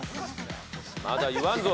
まだ言わんぞ！